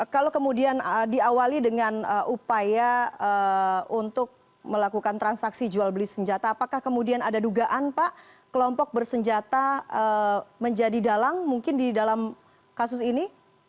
kalau kemudian diawali dengan upaya untuk melakukan transaksi jual beli senjata apakah kemudian ada dugaan pak kelompok bersenjata menjadi dalang mungkin di dalam kasus ini